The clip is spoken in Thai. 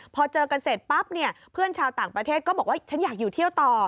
พอเจอกันเสร็จปั๊บเนี่ยเพื่อนชาวต่างประเทศก็บอกว่าฉันอยากอยู่เที่ยวต่อ